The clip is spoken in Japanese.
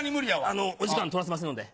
あのお時間取らせませんので。